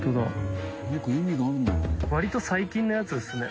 割と最近のやつですね。